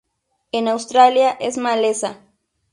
En Australia es maleza.